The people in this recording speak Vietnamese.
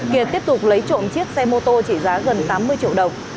kiệt tiếp tục lấy trộm chiếc xe mô tô trị giá gần tám mươi triệu đồng